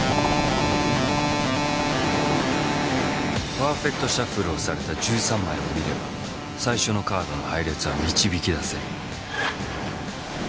パーフェクトシャッフルをされた１３枚を見れば最初のカードの配列は導きだせる。